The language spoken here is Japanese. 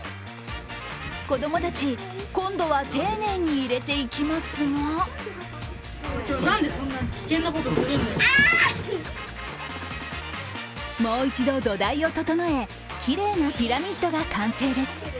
子供たち、今度は丁寧に入れていきますがもう一度、土台を整え、きれいなピラミッドが完成です。